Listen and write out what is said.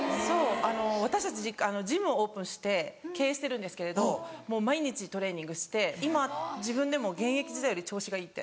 あの私たちジムをオープンして経営してるんですけれどもう毎日トレーニングして今自分でも「現役時代より調子がいい」って。